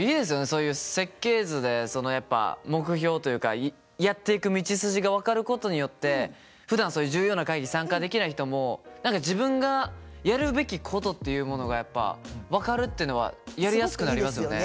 そういう設計図でそのやっぱ目標というかやっていく道筋が分かることによってふだんそういう重要な会議に参加できない人も何か自分がやるべきことっていうものがやっぱ分かるっていうのはやりやすくなりますよね。